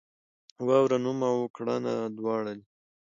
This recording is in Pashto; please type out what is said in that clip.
واوره نوم او کړنه دواړه دي.